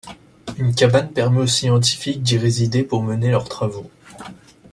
Une cabane permet aux scientifiques d'y résider pour mener leurs travaux.